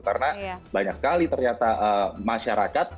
karena banyak sekali ternyata masyarakat